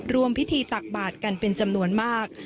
รวมพิธีตักบาทกันเป็นจำนวนมาก